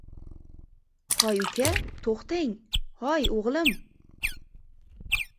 — Hoy uka, to‘xtang! Hoy o‘g‘lim.